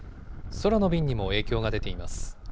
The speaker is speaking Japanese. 空の便にも影響が出ています。